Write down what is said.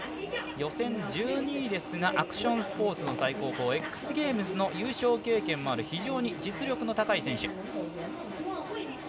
予選１２位ですがアクションスポーツの最高峰Ｘゲームズの優勝経験もある非常に実力の高い選手。